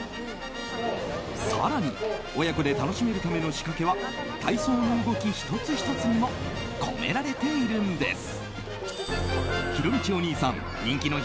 更に親子で楽しめるための仕掛けは体操の動き１つ１つにも込められているんです。